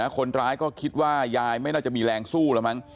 คนร้ายก็คิดว่ายายไม่น่าจะมีแรงสู้แล้วมั้ง